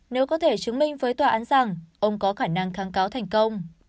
nếu có thể chứng minh với tòa án rằng ông có khả năng kháng cáo thành công